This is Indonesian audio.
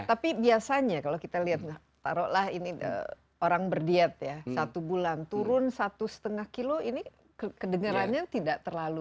tapi biasanya kalau kita lihat taruhlah ini orang berdiet ya satu bulan turun satu lima kilo ini kedengerannya tidak terlalu